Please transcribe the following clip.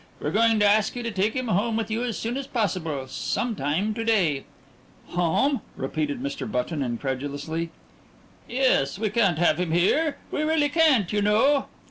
We're going to ask you to take him home with you as soon as possible some time to day." "Home?" repeated Mr. Button incredulously. "Yes, we can't have him here. We really can't, you know?"